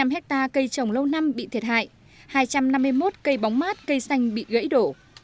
năm trăm chín mươi năm hectare cây trồng lâu năm bị thiệt hại hai trăm năm mươi một cây bóng mát cây xanh bị gãy đổ